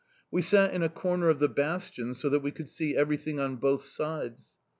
We sat in a corner of the bastion, so that we could see everything on both sides.